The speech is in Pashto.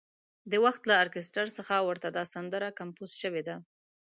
د وخت له ارکستر څخه ورته دا سندره کمپوز شوې ده.